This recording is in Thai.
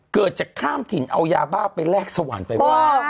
เกิดจากข้ามถิ่นเอายาบ้าไปแลกสวรรค์ไปไหว้